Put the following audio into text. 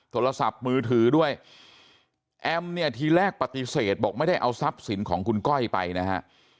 โทรศัพท์มือถือด้วยแอมเนี่ยทีแรกปฏิเสธบอกไม่ได้เอาทรัพย์สินของคุณก้อยไปนะฮะ